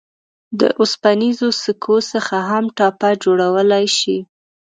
د اوسپنیزو سکو څخه هم ټاپه جوړولای شئ.